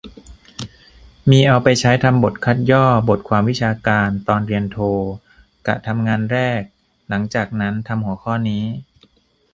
มีเอาไปใช้ทำบทคัดย่อบทความวิชาการ ตอนเรียนโทกะทำงานแรกหลังจากนั้น ทำหัวข้อนี้